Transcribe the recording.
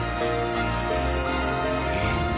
えっ？